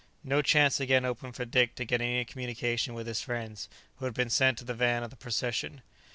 ] No chance again opened for Dick to get any communication with his friends, who had been sent to the van of the procession.